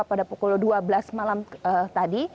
pada pukul dua belas malam tadi